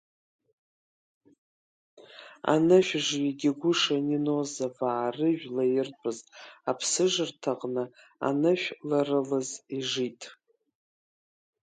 Анышәжҩы Гигуша Нонезоваа рыжәла иртәыз аԥсыжырҭа аҟны анышә лара лыз ижит.